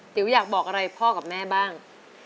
ติ๋วอยากบอกอะไรพ่อกับแม่บ้าง